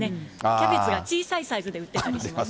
キャベツが小さいサイズで売ってたりしますから。